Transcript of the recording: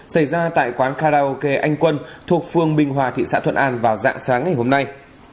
xảy ra tại quán karaoke anh quân thuộc phường bình hòa thị xã thuận an vào dạng sáng ngày hôm nay